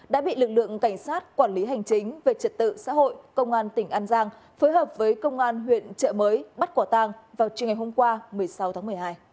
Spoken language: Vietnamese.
đã bị lực lượng cảnh sát quản lý hành chính về trật tự xã hội công an tỉnh an giang phối hợp với công an huyện trợ mới bắt quả tang vào chiều ngày hôm qua một mươi sáu tháng một mươi hai